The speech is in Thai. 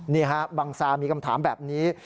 นี่ฮะบังซามีคำถามแบบนี้